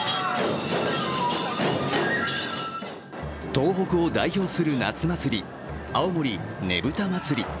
東北を代表する夏祭り、青森ねぶた祭。